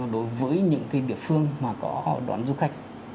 đối với những địa phương mà có đón du khách